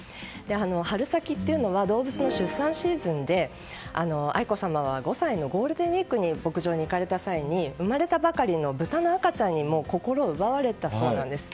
春先というのは動物の出産シーズンで愛子さまは５歳のゴールデンウィークに牧場に行かれた際に生まれたばかりの豚の赤ちゃんに心を奪われたそうなんです。